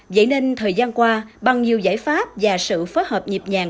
vậy nên thời gian qua bằng nhiều giải pháp và sự phối hợp nhịp nhàng